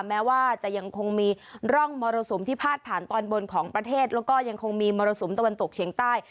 แม้ว่าจะยังคงมีร่องมรสุมที่พาดผ่านตอนบนของประเทศแล้วก็ยังคงมีมรสุมตะวันตกเฉียงใต้